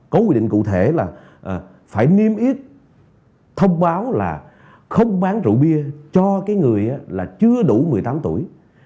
có quy định cụ thể là phải niêm yết thông báo là không bán rượu bia cho cái người là chưa đủ một mươi tám tuổi